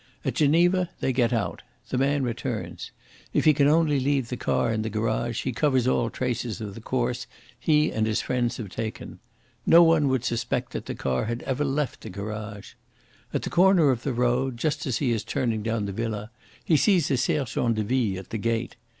At Geneva they get out. The man returns. If he can only leave the car in the garage he covers all traces of the course he and his friends have taken. No one would suspect that the car had ever left the garage. At the corner of the road, just as he is turning down to the villa, he sees a sergent de ville at the gate.